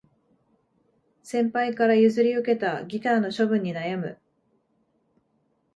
先輩から譲り受けたギターの処分に悩む